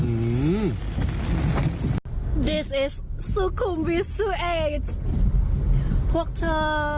อื้อดิสเอสสุคุมวิสสุเอสพวกเธอ